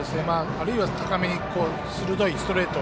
あるいは高めに鋭いストレート。